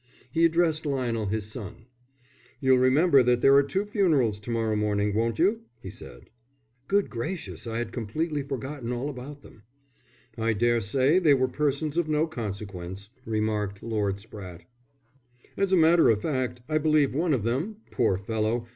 He addressed Lionel, his son. "You'll remember that there are two funerals to morrow morning, won't you?" he said. "Good gracious, I had completely forgotten all about them." "I daresay they were persons of no consequence," remarked Lord Spratte. "As a matter of fact, I believe one of them, poor fellow!